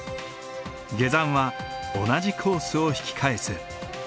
下山は同じコースを引き返す。